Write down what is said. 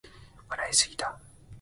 笑いすぎた